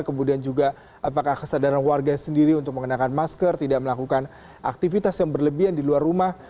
kemudian juga apakah kesadaran warga sendiri untuk mengenakan masker tidak melakukan aktivitas yang berlebihan di luar rumah